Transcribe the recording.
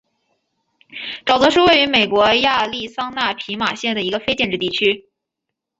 沼泽是位于美国亚利桑那州皮马县的一个非建制地区。